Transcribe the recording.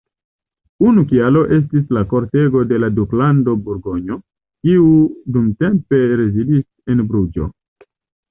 Unu kialo estis la kortego de la Duklando Burgonjo, kiu dumtempe rezidis en Bruĝo.